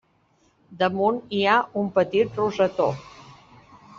Damunt hi ha un petit rosetó.